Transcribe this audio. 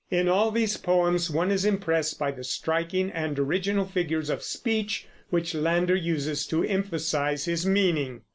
In all these poems one is impressed by the striking and original figures of speech which Landor uses to emphasize his meaning.